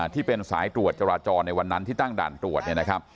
ที่เป็นสายตรวจจราจรในวันนั้นที่ตั้งด่านตรวจ